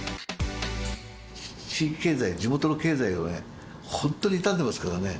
地域経済、地元の経済は本当に傷んでますからね。